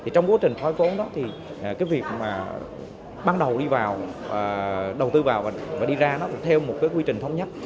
trong quá trình thói vốn đó việc ban đầu đi vào đầu tư vào và đi ra theo một quy trình thống nhất